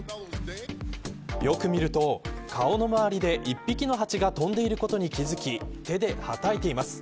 よく見ると顔の周りで１匹のハチが飛んでいることに気付き手ではたいています。